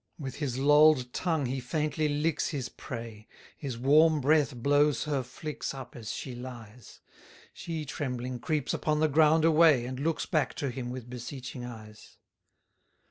132 With his loll'd tongue he faintly licks his prey; His warm breath blows her flix up as she lies; She trembling creeps upon the ground away, And looks back to him with beseeching eyes.